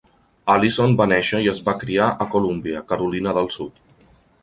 Allison va néixer i es va criar a Columbia, Carolina del Sud.